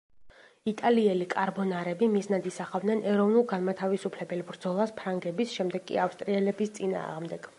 იტალიელი კარბონარები მიზნად ისახავდნენ ეროვნულ-განმათავისუფლებელ ბრძოლას ფრანგების, შემდეგ კი ავსტრიელების წინააღმდეგ.